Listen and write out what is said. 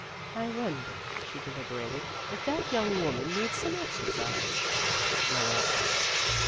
" I wonder," she deliberated, " if that young woman needs some exercise." No answer.